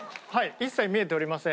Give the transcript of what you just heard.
一切見えておりません。